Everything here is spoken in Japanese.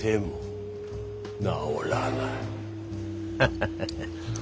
ハハハハ。